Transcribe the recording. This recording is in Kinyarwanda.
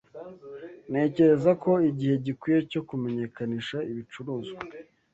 Ntekereza ko igihe gikwiye cyo kumenyekanisha ibicuruzwa.